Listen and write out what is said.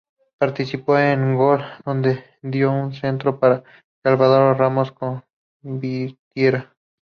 Participó en un gol, donde dio un centro para que Álvaro Ramos convirtiera.